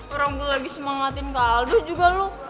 orang gue lagi semangatin kak aldo juga loh